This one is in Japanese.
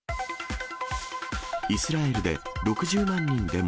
イスラエルで６０万人デモ。